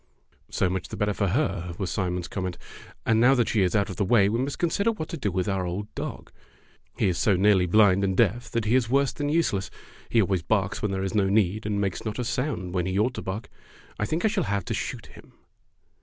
"So much the better for her," was Simon's comment; "and now that she is out of the way we must consider what to do with our old dog. He is so nearly blind and deaf that he is worse than useless. He always barks when there is no need, and makes not a sound when he ought to bark. I think I shall have to shoot him."